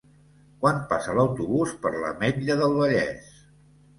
Quan passa l'autobús per l'Ametlla del Vallès?